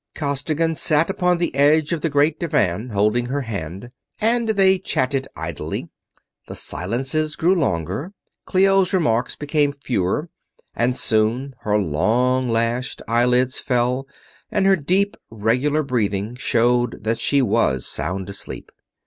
Costigan sat upon the edge of the great divan holding her hand, and they chatted idly. The silences grew longer, Clio's remarks became fewer, and soon her long lashed eyelids fell and her deep, regular breathing showed that she was sound asleep.